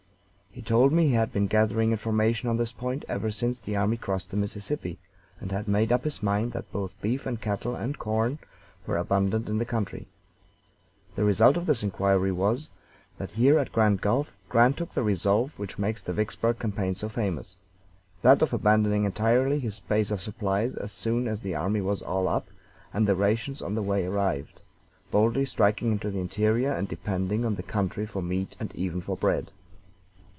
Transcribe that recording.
He told me he had been gathering information on this point ever since the army crossed the Mississippi, and had made up his mind that both beef and cattle and corn were abundant in the country. The result of this inquiry was that here at Grand Gulf Grant took the resolve which makes the Vicksburg campaign so famous that of abandoning entirely his base of supplies as soon as the army was all up and the rations on the way arrived, boldly striking into the interior, and depending on the country for meat and even for bread.